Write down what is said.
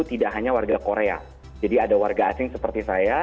tidak hanya warga korea jadi ada warga asing seperti saya